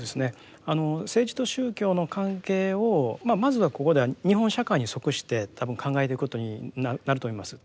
政治と宗教の関係をまあまずここでは日本社会に即して多分考えていくことになると思います。